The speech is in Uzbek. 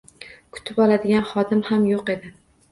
Kutib oladigan xodim ham yoʻq edi.